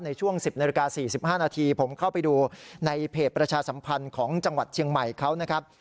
ในช่วง๑๐นาฬิกา๔๕นาทีผมเข้าไปดูในเพจประชาสัมพันธ์ของจังหวัดเชียงใหม่เขานะครับ